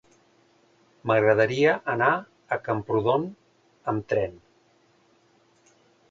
M'agradaria anar a Camprodon amb tren.